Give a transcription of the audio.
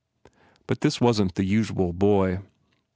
But this wasn t the usual boy.